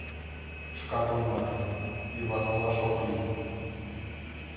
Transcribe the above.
Шкат умылем, юватылаш ок лий.